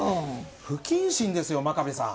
不謹慎ですよ真壁さん。